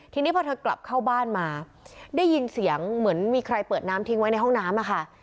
ทีนี้พอเธอกลับเข้าบ้านมาได้ยินเสียงเหมือนมีใครเปิดน้ำทิ้งไว้ในห้องน้ำอะค่ะ